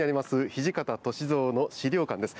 土方歳三の資料館です。